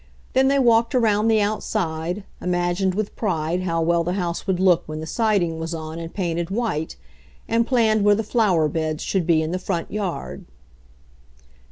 Then they walked around the outside, imagined with pride how well the house would look when the siding was on and painted white, and planned where the flower beds should be in the front yard.